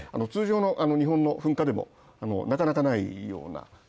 通常の日本の噴火でもなかなかないような。